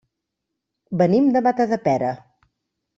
Venim de Matadepera.